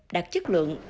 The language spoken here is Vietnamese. đạt chất lượng